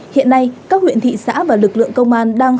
hiện nay các huyện thị xã và lực lượng công an đang